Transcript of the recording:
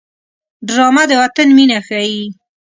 ډرامه د وطن مینه ښيي